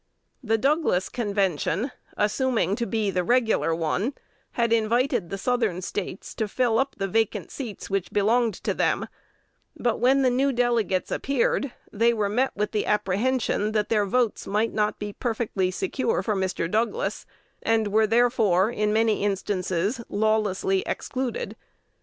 The Douglas Convention, assuming to be the regular one, had invited the Southern States to fill up the vacant seats which belonged to them; but, when the new delegates appeared, they were met with the apprehension that their votes might not be perfectly secure for Mr. Douglas, and were therefore, in many instances, lawlessly excluded.